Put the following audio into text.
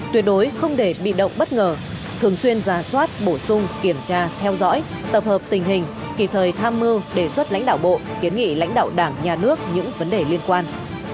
tuyệt đối không để bị động bất ngờ thường xuyên ra soát bổ sung kiểm tra theo dõi tập hợp tình hình kịp thời tham mưu đề xuất lãnh đạo bộ kiến nghị lãnh đạo đảng nhà nước những vấn đề liên quan